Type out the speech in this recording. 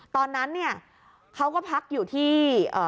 ตอนนั้นเขาก็พักอยู่ที่